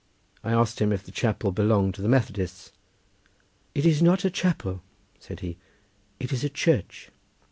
I asked him if the chapel belonged to the Methodists. "It is not a chapel," said he, "it is a church."